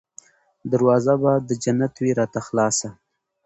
دروازه به د جنت وي راته خلاصه